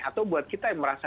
atau buat kita yang merasa